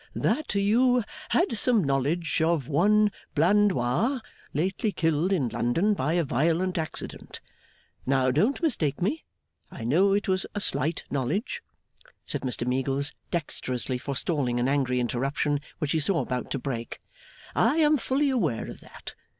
' that you had some knowledge of one Blandois, lately killed in London by a violent accident. Now, don't mistake me! I know it was a slight knowledge,' said Mr Meagles, dexterously forestalling an angry interruption which he saw about to break. 'I am fully aware of that.